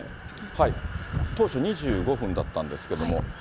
当初２５分だったんですけれども。